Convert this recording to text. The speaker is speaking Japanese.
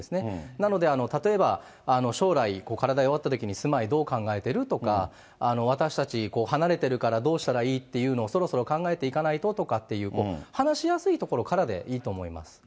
なので、例えば将来、体弱ったときに、住まい、どう考えている？とか、私たち、離れているから、どうしたらいいっていうのをそろそろ考えていかないとっていう、話しやすいところからでいいと思います。